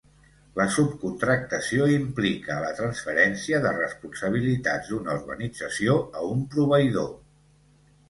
La subcontractació implica a la transferència de responsabilitats d'una organització a un proveïdor.